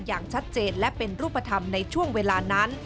อย่างชัดเจนและเป็นรูปธรรมในช่วงเวลานั้น